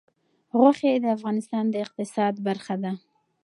غوښې د افغانستان د اقتصاد برخه ده.